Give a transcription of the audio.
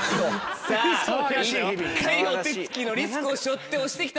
さぁ１回のお手つきのリスクを背負って押して来た。